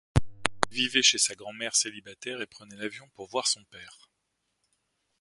Elle vivait chez sa mère célibataire et prenait l'avion pour voir son père.